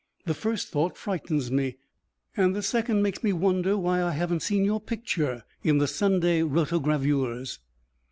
The first thought frightens me, and the second makes me wonder why I haven't seen your picture in the Sunday rotogravures."